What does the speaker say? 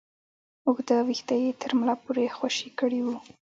اوږده ويښته يې تر ملا پورې خوشې کړي وو.